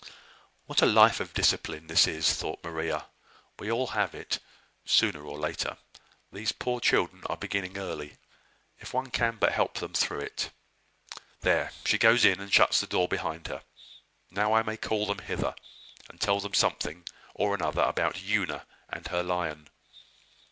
"What a life of discipline this is!" thought Maria. "We all have it, sooner or later. These poor children are beginning early. If one can but help them through it! There she goes in, and shuts the door behind her! Now I may call them hither, and tell them something or another about Una and her lion."